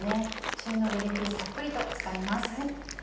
旬のグリンピースたっぷりと使います。